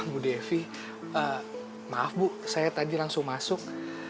bu devi maaf bu saya tadi langsung masuk